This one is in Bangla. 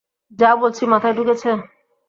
যা বলছি মাথায় ঢুকেছে?